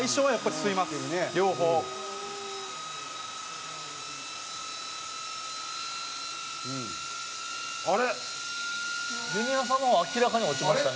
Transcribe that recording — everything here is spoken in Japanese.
水田：ジュニアさんの方は明らかに落ちましたね。